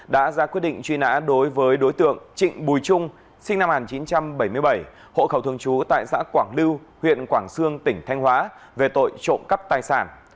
đã ra quyết định truy nã đối với đối tượng trịnh bùi trung sinh năm một nghìn chín trăm bảy mươi bảy hộ khẩu thường trú tại xã quảng lưu huyện quảng sương tỉnh thanh hóa về tội trộm cắp tài sản